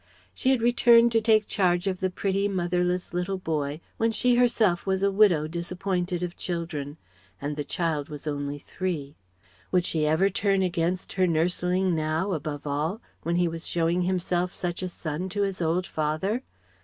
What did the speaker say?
She had returned to take charge of the pretty, motherless little boy when she herself was a widow disappointed of children, and the child was only three. Would she ever turn against her nursling now, above all, when he was showing himself such a son to his old father?